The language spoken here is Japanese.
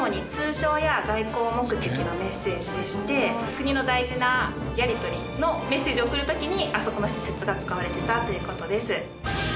国の大事なやりとりのメッセージを送る時にあそこの施設が使われていたという事です。